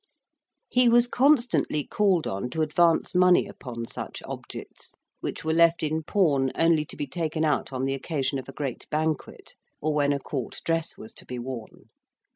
He was constantly called on to advance money upon such objects, which were left in pawn only to be taken out on the occasion of a great banquet, or when a court dress was to be worn.